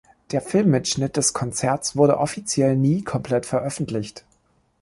Der Film-Mitschnitt des Konzerts wurde offiziell nie komplett veröffentlicht.